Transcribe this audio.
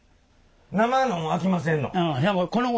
生のもんあきませんの？